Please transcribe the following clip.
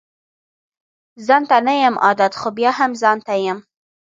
ځانته نه يم عادت خو بيا هم ځانته يم